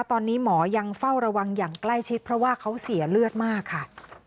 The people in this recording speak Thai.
ตอนนี้หมอยังเฝ้าระวังอย่างใกล้ชิดเพราะว่าเขาเสียเลือดมากค่ะ